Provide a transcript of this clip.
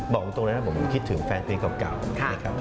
บอกตรงนั้นผมคิดถึงแฟนเพลงเก่า